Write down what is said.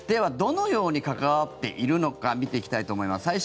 どのように関わっているのか見ていきたいと思います。